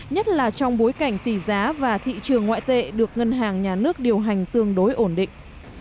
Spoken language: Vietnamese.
nhất là trong bối cảnh tỷ giá và thị trường ngoại tệ được ngân hàng nhà nước điều hành tương đối ổn định